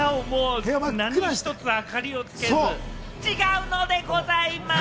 何一つ明かりをつけず、違うのでございます。